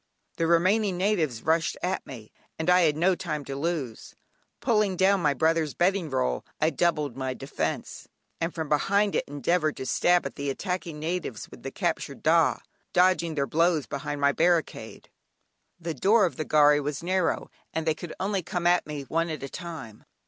The remaining natives rushed at me, and I had no time to lose. Pulling down my brother's bedding roll, I doubled my defence, and from behind it endeavoured to stab at the attacking natives with the captured "dah," dodging their blows behind my barricade. The door of the gharry was narrow, and they could only come at me one at a time.